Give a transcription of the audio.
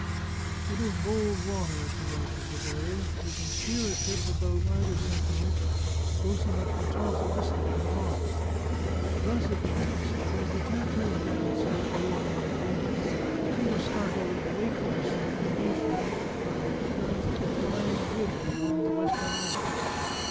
It is bold water at the mouth of the bay; you can steer a ship about either sentinel, close enough to toss a biscuit on the rocks. Thus it chanced that, as the tattooed man sat dozing and dreaming, he was startled into wakefulness and animation by the appearance of a flying jib beyond the western islet.